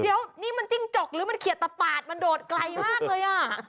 แล้วนี่จิ้งจกหรือเขียห์ตะปาดมันโดดไกลมากเลย